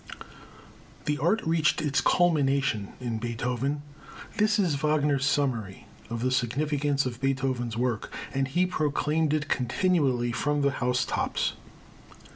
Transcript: The art reached its culmination in Beethoven. This is Wagner's summary of the significance of Beethoven's work, and he proclaimed it continually, from the housetops.